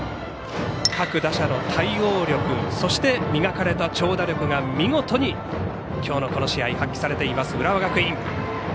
各打者の対応力そして磨かれた長打力が見事にきょうのこの試合発揮されています、浦和学院。